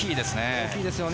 大きいですよね。